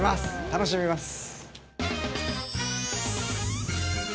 楽しみます。